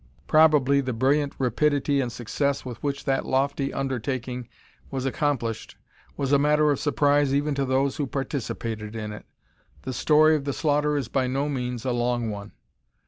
Probably the brilliant rapidity and success with which that lofty undertaking was accomplished was a matter of surprise even to those who participated in it. The story of the slaughter is by no means a long one.